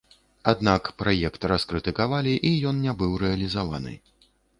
Аднак праект раскрытыкавалі, і ён не быў рэалізаваны.